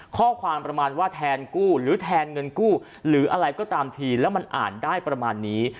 ประมาณว่าแทนกู้หรือแทนเงินกู้หรืออะไรก็ตามทีแล้วมันอ่านได้ประมาณนี้